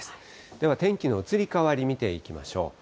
では天気の移り変わり見ていきましょう。